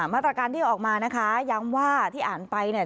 มาตรการที่ออกมานะคะย้ำว่าที่อ่านไปเนี่ย